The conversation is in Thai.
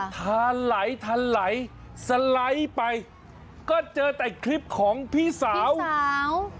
ทาไหลทาไหลสะไหลไปก็เจอในคลิปของพี่สาวพี่สาว